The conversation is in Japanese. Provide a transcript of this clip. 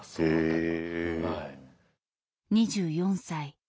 ２４歳。